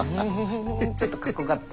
ちょっとかっこよかった。